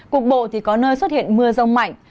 cục bộ có nơi xuất hiện mưa rông mạnh